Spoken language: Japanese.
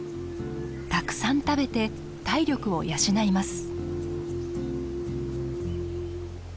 たくさん食べて体力を養います。